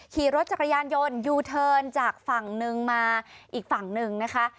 ขี่รถจักรยานยนต์ยูเทิร์นจากฝั่งนึงมาอีกฝั่งหนึ่งนะคะ